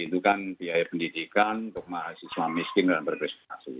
itu kan biaya pendidikan untuk mahasiswa miskin dan berprestasi